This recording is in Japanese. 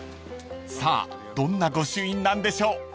［さあどんな御朱印なんでしょう？］